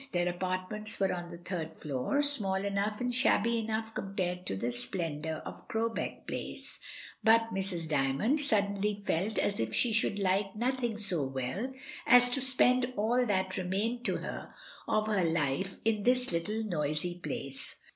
Their apartments were on the third floor, small enough and shabby enough compared to the splendour of Crowbeck Place; but Mrs. D)anond suddenly felt as if she should like nothing so well as to spend all that re mained to her of her life in this little noisy place.